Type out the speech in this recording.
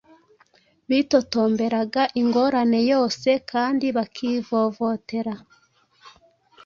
Bitotomberaga ingorane yose kandi bakivovotera